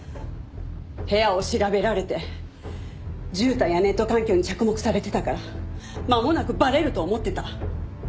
部屋を調べられて絨毯やネット環境に着目されてたからまもなくバレると思ってた。